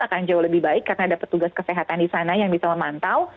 akan jauh lebih baik karena ada petugas kesehatan di sana yang bisa memantau